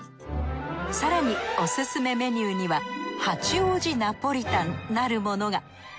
更にオススメメニューには八王子ナポリタンなるものが。